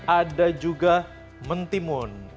ada juga mentimun